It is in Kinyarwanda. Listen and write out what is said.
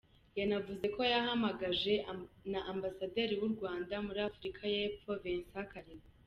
Yanavuze ko yahamagaje n'ambasaderi w'u Rwanda muri Afurika y'epfo, Vincent Karega.